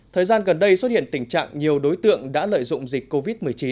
thời gian gần đây xuất hiện tình trạng nhiều đối tượng đã lợi dụng dịch covid một mươi chín